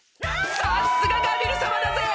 さっすがガビル様だぜ！